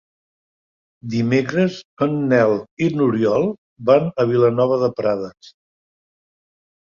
Dimecres en Nel i n'Oriol van a Vilanova de Prades.